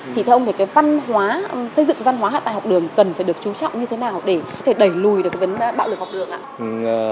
thì theo ông thì cái văn hóa xây dựng văn hóa tại học đường cần phải được chú trọng như thế nào để đẩy lùi được vấn bạo lực học đường ạ